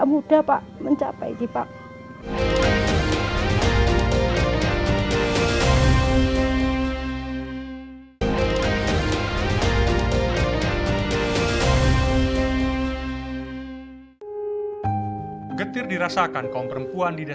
pemerintah menemukan hutan yang diberikan oleh pemerintah